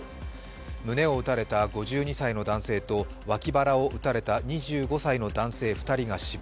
胸を撃たれた５２歳の男性とわき腹を撃たれた２５歳の男性２人が死亡。